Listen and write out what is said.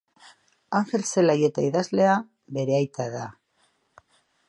Angel Zelaieta idazlea bere aita da.